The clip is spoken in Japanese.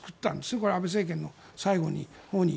これは安倍政権の最後のほうに。